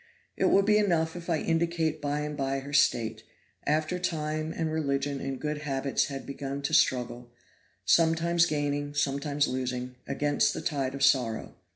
It will be enough if I indicate by and by her state, after time and religion and good habits had begun to struggle, sometimes gaining, sometimes losing, against the tide of sorrow.